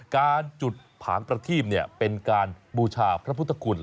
การจุดผางประทีบเป็นการบูชาพระพุทธคุณ